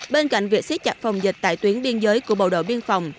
bên cạnh việc xếp chặt phòng dịch tại tuyến biên giới của bầu đội biên phòng